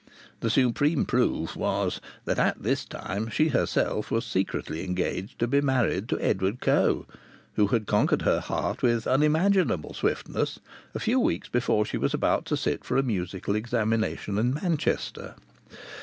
The supreme proof was that at this time she herself was secretly engaged to be married to Edward Coe, who had conquered her heart with unimaginable swiftness a few weeks before she was about to sit for a musical examination at Manchester.